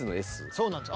そうなんです。